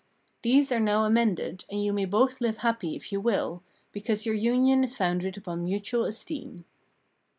These are now amended, and you may both live happy if you will, because your union is founded upon mutual esteem."